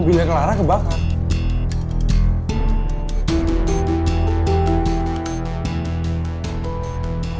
oh bila clara kebakar